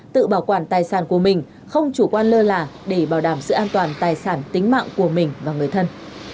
tự bảo quản tài sản của mình không chủ quan lơ là để bảo đảm sự an toàn tài sản tính mạng của mình và người thân